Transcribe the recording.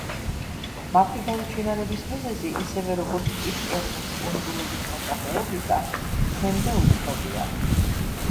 მათი გაუჩინარების მიზეზი, ისევე როგორც პიტკერნის კუნძულების მოსახლეობისა, დღემდე უცნობია.